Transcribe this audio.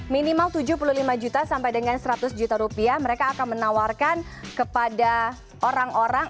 minimal tujuh puluh lima juta sampai dengan seratus juta rupiah mereka akan menawarkan kepada orang orang